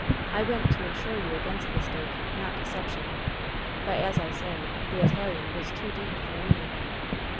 I went to insure you against mistake, not de ception. But, as I say, the Italian was too deep for me.'